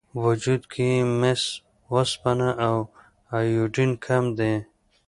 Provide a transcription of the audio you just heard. وجود کې یې مس، وسپنه او ایودین کم دي.